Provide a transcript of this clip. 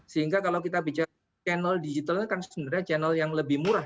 sehingga kalau kita bicara channel digital kan sebenarnya channel yang lebih murah